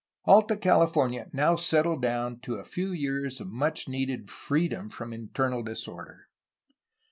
Alta California now settled down to a few years of much needed freedom from internal disorder.